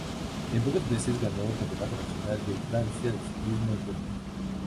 En pocos meses, ganó el Campeonato Nacional de Francia de ciclismo en ruta.